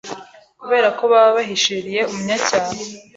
kubera ko baba bahishiriye umunyacyaha,